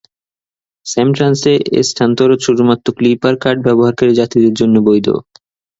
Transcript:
স্যামট্রান্সে স্থানান্তর শুধুমাত্র clipper card ব্যবহারকারী যাত্রীদের জন্য বৈধ।